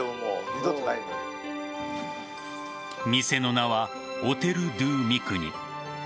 店の名はオテル・ドゥ・ミクニ。